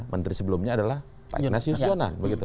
menteri sebelumnya adalah pak ignatius jonan begitu